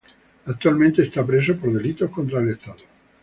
Actualmente está preso por delitos contra el estado.